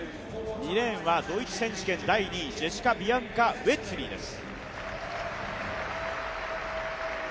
２レーンはドイツ選手権第２位、ジェシカ・ビアンカ・ウェッソリーです。